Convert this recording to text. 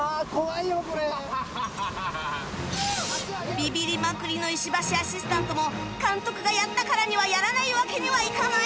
ビビりまくりの石橋アシスタントも監督がやったからにはやらないわけにはいかない